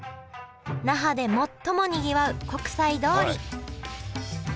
那覇で最もにぎわう国際通り。